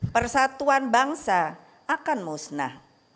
persatuan bangsa akan musnah